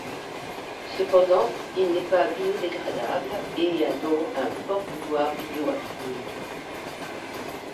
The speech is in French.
Cependant, il n'est pas biodégradable, et à donc un fort pouvoir bioaccumulant.